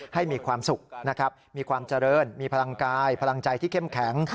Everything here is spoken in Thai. ให้มีความสุขนะครับมีความเจริญมีพลังกายพลังใจที่เข้มแข็ง